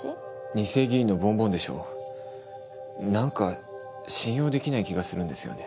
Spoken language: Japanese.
２世議員のぼんぼんでしょ何か信用できない気がするんですよね。